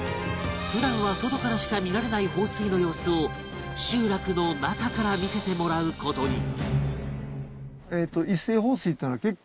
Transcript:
普段は外からしか見られない放水の様子を集落の中から見せてもらう事に